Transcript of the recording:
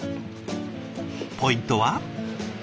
ポイントは？